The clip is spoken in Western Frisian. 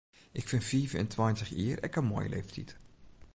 Ik fyn fiif en tweintich jier ek in moaie leeftyd.